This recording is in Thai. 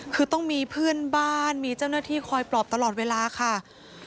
คือต้องมีเพื่อนบ้านมีเจ้าหน้าที่คอยปลอบตลอดเวลาค่ะ